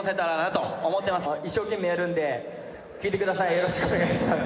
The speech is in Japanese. よろしくお願いします